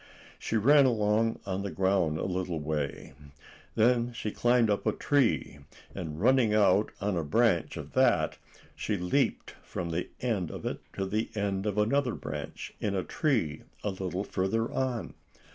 She ran along on the ground a little way. Then she climbed up a tree, and running out on a branch of that, she leaped from the end of it to the end of another branch, in a tree a little farther on.